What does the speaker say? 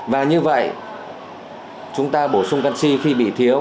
và như vậy chúng ta bổ sung canxi khi bị thiếu